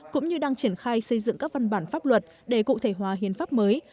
cũng như đang triển khai xây dựng các văn bản pháp luật để cụ thể hóa hiến pháp mới